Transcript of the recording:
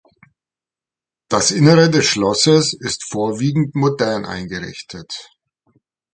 Das Innere des Schlosses ist vorwiegend modern eingerichtet.